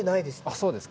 あっそうですか。